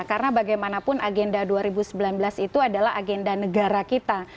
karena bagaimanapun agenda dua ribu sembilan belas itu adalah agenda negara kita